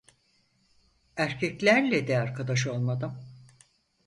Erkeklerle de arkadaş olmadım.